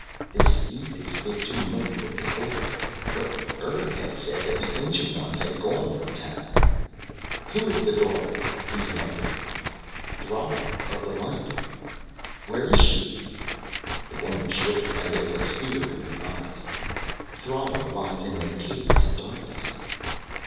"This youth is fit to mate with the Daughter." But Urg had said that the Ancient Ones had gone from Tav. "Who is the Daughter?" he demanded. "Thrala of the Light." "Where is she?" The woman shivered and there was fear in her eyes. "Thrala lies in the Caves of Darkness."